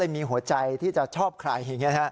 ก็เลยมีหัวใจที่จะชอบใครอย่างนี้